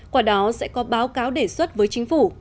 quả đó sẽ có báo cáo đề xuất với chính phủ